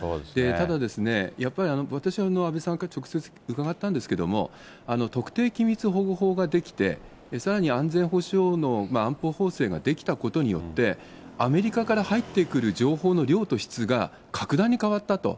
ただ、やっぱり私は安倍さんから直接伺ったんですけれども、特定機密保護法が出来て、さらに安全保障の安保法制が出来たことによって、アメリカから入ってくる情報の量と質が格段に変わったと。